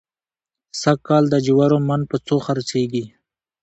سږکال د جوارو من په څو خرڅېږي؟